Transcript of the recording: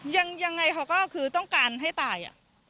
ยังไงเขาก็คือต้องการให้ตาย